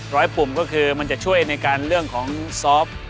ปุ่มก็คือมันจะช่วยในการเรื่องของซอฟต์